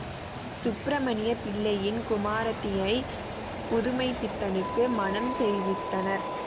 சுப்பிரமணிய பிள்ளையின் குமாரத்தியைப் புதுமைப்பித்தனுக்கு மனம் செய்வித்தனர்.